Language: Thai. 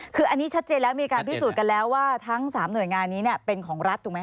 ถ้านี้ชัดเจนแล้วมีการพิสูจน์แล้วว่าทั้ง๓หน่วยงานนี้เนี่ยเป็นของรัฐ